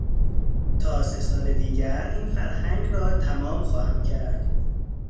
تا سه سال دیگر این فرهنگ را تمام خواهم کرد.